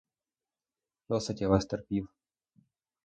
Досить я вас терпів.